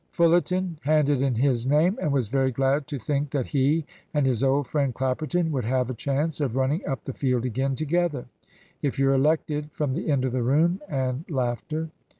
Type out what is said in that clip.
Fullerton handed in his name, and was very glad to think that he and his old friend Clapperton would have a chance of running up the field again together. ("If you're elected!" from the end of the room, and laughter.)